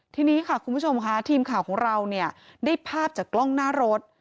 ทีนี้ค่ะคุณผู้ชมค่ะทีมข่าวของเราเนี่ยได้ภาพจากกล้องหน้ารถ